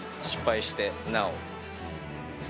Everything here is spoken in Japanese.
失敗して、なお。